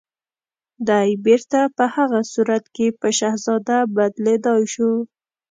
دی بيرته په هغه صورت کې په شهزاده بدليدای شو